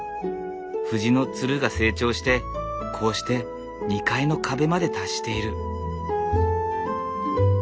フジのツルが成長してこうして２階の壁まで達している。